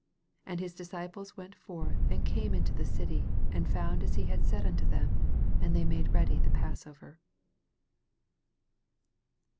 16 And his disciples went forth, and came into the city, and found aa he had said unto them : and they made ready the Passover.